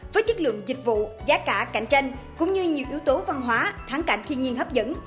với chất lượng dịch vụ giá cả cạnh tranh cũng như nhiều yếu tố văn hóa tháng cảnh thiên nhiên hấp dẫn